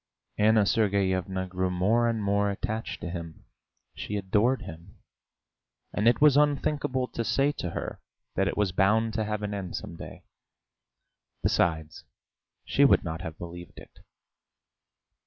Anna Sergeyevna grew more and more attached to him. She adored him, and it was unthinkable to say to her that it was bound to have an end some day; besides, she would not have believed it!